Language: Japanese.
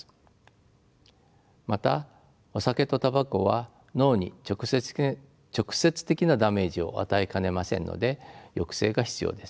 またお酒とたばこは脳に直接的なダメージを与えかねませんので抑制が必要です。